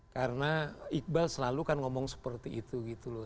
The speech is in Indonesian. karena iqbal selalu kan ngomong seperti itu gitu loh